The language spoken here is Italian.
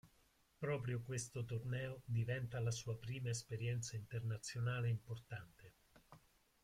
Proprio questo torneo diventa la sua prima esperienza internazionale importante.